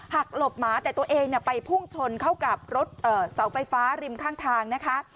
หลบหมาแต่ตัวเองไปพุ่งชนเข้ากับรถเสาไฟฟ้าริมข้างทางนะคะ